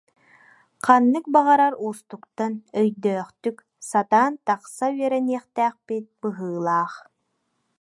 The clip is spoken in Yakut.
Ханнык баҕарар уустуктан өйдөөхтүк сатаан тахса үөрэниэхтээхпит быһыылаах